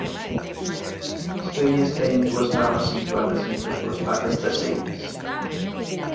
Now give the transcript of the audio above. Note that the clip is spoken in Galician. As femias teñen dúas mamas situadas entre as dúas patas traseiras.